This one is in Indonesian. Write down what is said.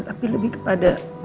tapi lebih kepada